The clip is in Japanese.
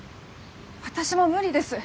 私も無理です。